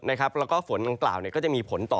แล้วก็ฝนจังกราวเนี่ยก็จะมีผลต่อ